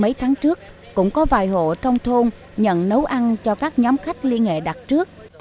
mấy tháng trước cũng có vài hộ trong thôn nhận nấu ăn cho các nhóm khách liên hệ đặt trước